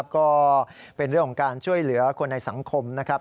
ก็เป็นเรื่องของการช่วยเหลือคนในสังคมนะครับ